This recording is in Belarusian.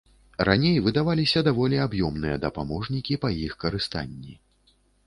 Раней выдаваліся даволі аб'ёмныя дапаможнікі па іх карыстанні.